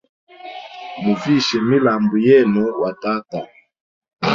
Muvishe milambu yenu wa tata.